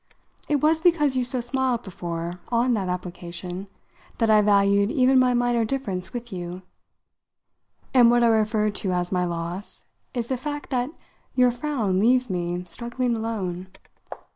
It was because you so smiled, before, on that application, that I valued even my minor difference with you; and what I refer to as my loss is the fact that your frown leaves me struggling alone.